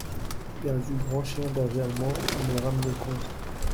Perdu grand chien berger allemand, le ramener con.